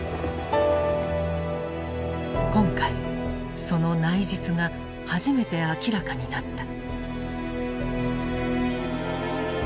今回その内実が初めて明らかになった。